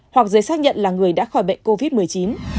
hoặc giấy xác nhận là người đã khỏi bệnh covid một mươi chín